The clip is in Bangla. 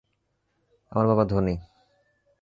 আমার বাবা ধনী।